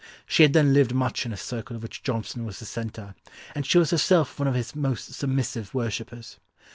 She had then lived much in a circle of which Johnson was the centre; and she was herself one of his most submissive worshippers....